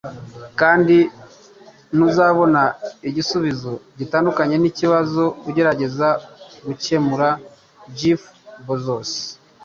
kandi ntuzabona igisubizo gitandukanye n'ikibazo ugerageza gukemura. ” —Jeff Bezos